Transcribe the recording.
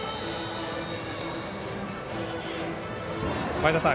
前田さん